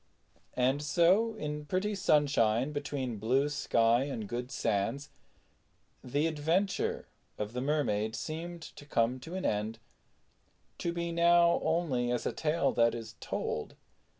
And so, in pretty sunshine, between blue sky and good sands, the adventure of the Mermaid seemed to come to an end, to be now only as a tale that is told.